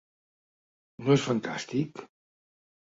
No és fantàstic?